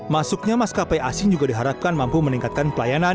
masuknya maskapai asing juga diharapkan mampu meningkatkan pelayanan